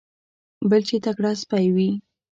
بل چې تکړه سپی وي.